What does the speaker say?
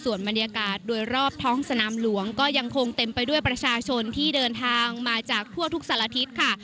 ส่วนบรรยากาศโดยรอบท้องสนามหลวงก็ยังคงเต็มไปด้วยประชาชนที่เดินทางมาจากทั่วทุกสารทิศค่ะ